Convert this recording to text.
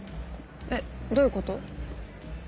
えっどういうこと？